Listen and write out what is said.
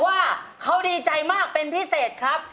ว่าเขาดีใจมากเป็นพิเศษครับ